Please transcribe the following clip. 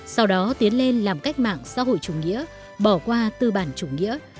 sau đó tiến lên làm cách mạng xã hội chủ nghĩa bỏ qua tư bản chủ nghĩa